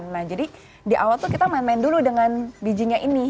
nah jadi di awal tuh kita main main dulu dengan bijinya ini